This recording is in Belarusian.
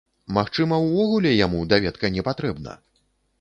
Магчыма, увогуле яму даведка не патрэбна?